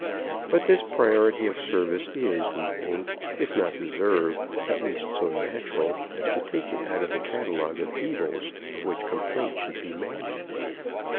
But this priority of service is, we think, if not deserved, at least so natural, as to take it out of the catalogue of evils of which complaint should be made.